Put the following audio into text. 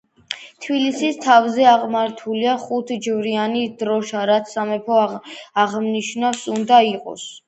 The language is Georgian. თბილისის თავზე აღმართულია „ხუთ–ჯვრიანი“ დროშა, რაც სამეფოს აღმნიშვნელი უნდა იყოს.